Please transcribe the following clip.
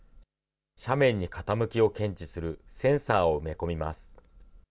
斜面に傾きを検知するセンサーを埋め込みます。